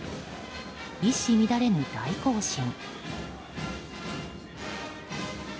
一糸乱れぬ大行進。